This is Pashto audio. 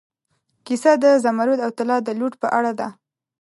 کیسه د زمرد او طلا د لوټ په اړه ده.